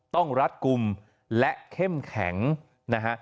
รัดกลุ่มและเข้มแข็งนะฮะ